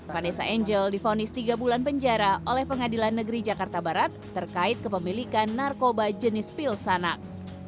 vanessa angel difonis tiga bulan penjara oleh pengadilan negeri jakarta barat terkait kepemilikan narkoba jenis pil sanax